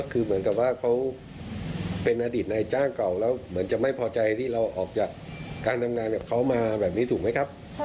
คือเหมือนกับว่าเขาเป็นอดีตนายจ้างเก่าแล้วเหมือนจะไม่พอใจที่เราออกจากการทำงานกับเขามาแบบนี้ถูกไหมครับ